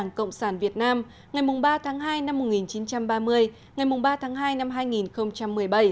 đảng cộng sản việt nam ngày ba tháng hai năm một nghìn chín trăm ba mươi ngày ba tháng hai năm hai nghìn một mươi bảy